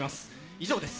以上です。